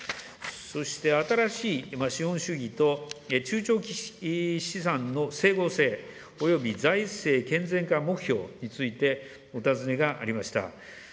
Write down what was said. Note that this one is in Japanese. そして、新しい資本主義と中長期資産の整合性および財政健全化目標について、お尋ねがありました。